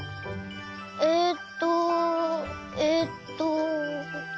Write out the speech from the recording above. えっとえっと。